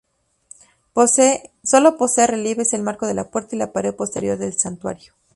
Sólo posee relieves el marco de la puerta y la pared posterior del santuario.